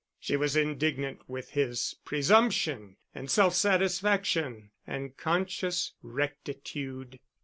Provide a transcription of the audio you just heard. She was indignant with his presumption, and self satisfaction, and conscious rectitude.